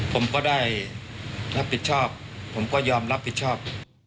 ผมก็ได้รับผิดชอบผมก็ยอมรับผิดชอบ